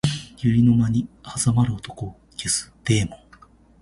百合の間に挟まる男を消すデーモン